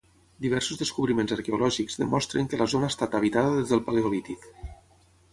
Diversos descobriments arqueològics demostren que la zona ha estat habitada des del paleolític.